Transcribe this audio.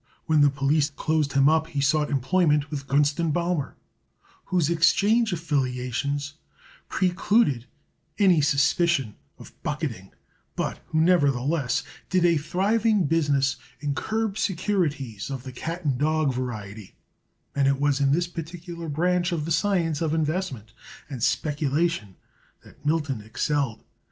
When the police closed him up he sought employment with Gunst & Baumer, whose exchange affiliations precluded any suspicion of bucketing, but who, nevertheless, did a thriving business in curb securities of the cat and dog variety, and it was in this particular branch of the science of investment and speculation that Milton excelled.